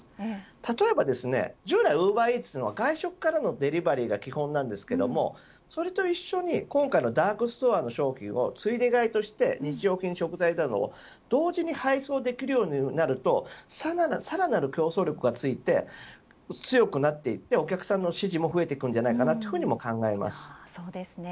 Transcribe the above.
例えば従来ウーバーイーツの外食からのデリバリーが基本ですがそれと一緒に今回のダークストアの商品をついで買いとして日常品食材などを同時に配送できるようになるとさらなる競争力がついて強くなっていってお客さんの指示も増えていくというふうにも考えます。